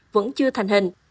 vẫn chưa thành hình